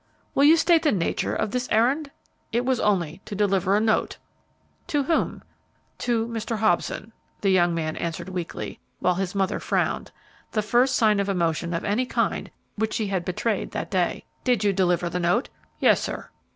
"Will you state the nature of this errand?" "It was only to deliver a note." "To whom?" "To Mr. Hobson," the young man answered weakly, while his mother frowned, the first sign of emotion of any kind which she had betrayed that day. "Did you deliver the note?" "Yes, sir."